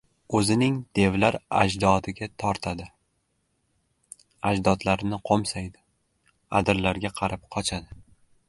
O‘zining devlar ajdodiga tortadi! Ajdodlarini qo‘msaydi, adirlarga qarab qochadi.